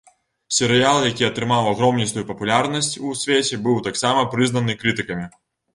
Серыял, які атрымаў агромністую папулярнасць у свеце, быў таксама прызнаны крытыкамі.